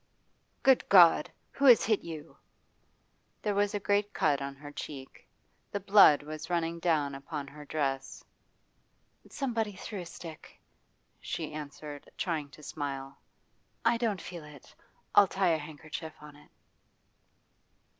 'Good God! Who has hit you?' There was a great cut on her cheek, the blood was running down upon her dress. 'Somebody threw a stick,' she answered, trying to smile. 'I don't feel it; I'll tie a handkerchief on it.